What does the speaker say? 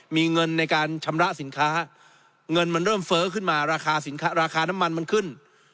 มีเงินในการชำระสินค้าเงินมันเริ่มเฟ้อขึ้นมาราคาสินค้าราคาน้ำมันมันขึ้น